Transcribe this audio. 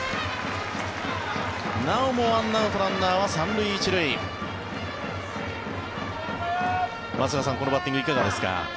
なおも１アウトランナーは３塁１塁松坂さん、このバッティングいかがですか？